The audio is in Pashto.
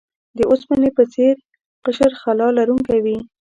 د اوسپنې په څیر قشر خلا لرونکی وي.